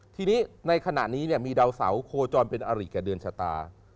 ทีนี้ในขณะนี้มีดาวเสาโคจรเป็นอริแก่เดือนชะตา